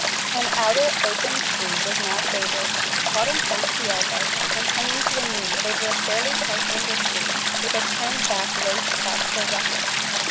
An outer opened sleeve was now favoured, caught in front at the elbow and hanging to the knee over a fairly tight undersleeve with a turned back lace cuff or ruffle.